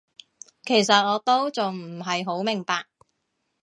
其實我都仲唔係好明白